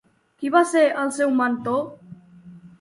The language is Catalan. Qui va ser el seu mentor?